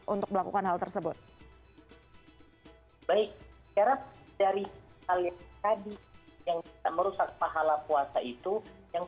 untuk melakukan hal tersebut baik kerap dari alias tadi yang merusak pahala puasa itu yang